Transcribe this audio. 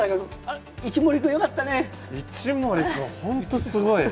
一森君、本当にすごい！